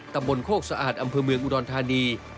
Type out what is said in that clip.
ตำบลโคกสะอาดอำเภอเมืองอุดรธานี